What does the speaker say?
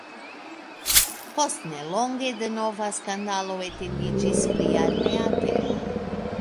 Post nelonge denova skandalo etendiĝis pri armea temo.